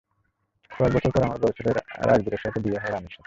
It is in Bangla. কয়েক বছর পর আমার বড় ছেলে রাজবীরের বিয়ে হয় রাণীর সাথে।